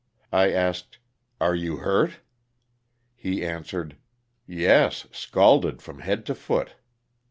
I asked: "Are you hurt?" He answered: " Yes, scalded from head to foot."